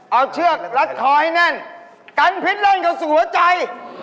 เอาเชือกรัดคอให้แน่นกันพิษแล่นเข้าสู่หัวใจ